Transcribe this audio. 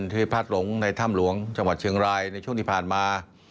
ที่พัดหลงในถ้ำหลวงจังหวัดเชียงรายในช่วงที่ผ่านมา